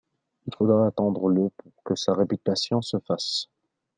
Il faudra attendre le pour que sa réputation se fasse.